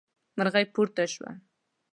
مرغۍ پورته شوه.